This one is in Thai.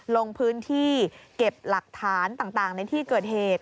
ลงพื้นที่เก็บหลักฐานต่างในที่เกิดเหตุ